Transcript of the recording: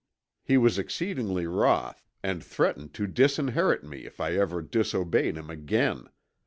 "He was exceedingly wroth and threatened to disinherit me if I ever disobeyed him again.